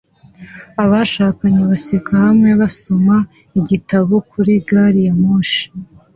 Abashakanye baseka hamwe basoma igitabo kuri gari ya moshi